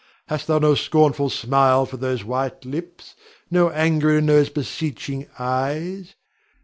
hast thou no scornful smile for those white lips, no anger in those beseeching eyes?